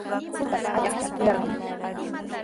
Rupayqa allaqllami yarqamun.